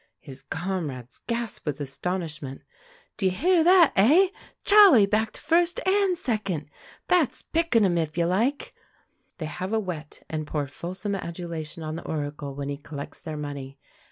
His comrades gasp with astonishment. "D'you hear that, eh? Charley backed first and second. That's pickin' 'em if you like." They have a wet, and pour fulsome adulation on the Oracle when he collects their money.